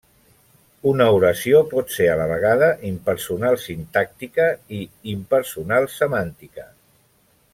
Una oració pot ser a la vegada impersonal sintàctica i impersonal semàntica.